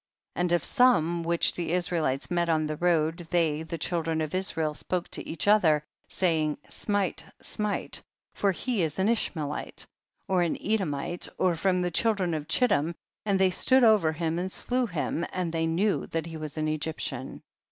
And of some which the Israel ites met on the road, they the chil dren of Israel spoke to each other, saying, smite, smite, for he is an Ish maelite, or an Edomite, or from the children of Ghittim, and they stood over him and slew him, and they knew that he was an Eg\'plian.